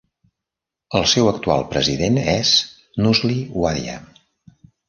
El seu actual president és Nusli Wadia.